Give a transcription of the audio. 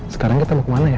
sekarang kita mau ke mana ya